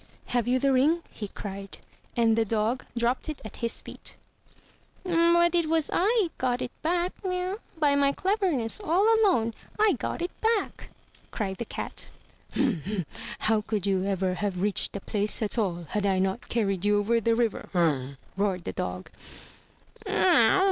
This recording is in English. "Have you the ring?" he cried. And the dog dropped it at his feet. "But 'twas I got it back. By my cleverness, all alone, I got it back," cried the cat. "How could you ever have reached the place at all had I not carried you over the river?" roared the dog.